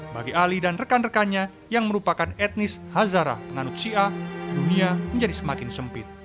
bagi ali dan rekan rekannya yang merupakan etnis hazarah penganut sia dunia menjadi semakin sempit